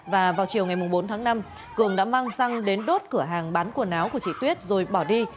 và vào chiều ngày bốn tháng năm cường đã mang xăng đến đốt cửa hàng bán quần áo của chị tuyết rồi bỏ đi